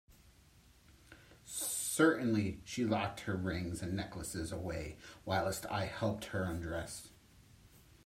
Certainly she locked her rings and necklaces away whilst I helped her undress.